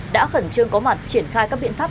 đã khẩn trương có mặt triển khai các biện pháp